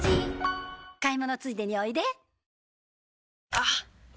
あっ！